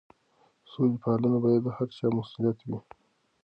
د سولې پالنه باید د هر چا مسؤلیت وي.